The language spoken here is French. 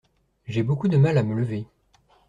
J’ai beaucoup de mal à me lever.